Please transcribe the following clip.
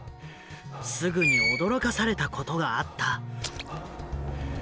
すぐに驚かされたことがあった。